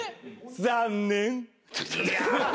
残念。